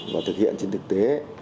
và thực hiện trên thực tế